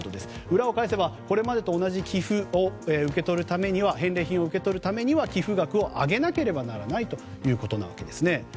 裏を返せばこれまでと同じ寄付や返礼品を受け取るためには寄付額を上げなければならないということですね。